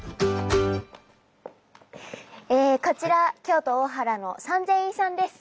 こちら京都大原の三千院さんです。